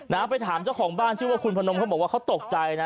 นะไปถามเจ้าของบ้านชื่อว่าคุณพนมเขาบอกว่าเขาตกใจนะ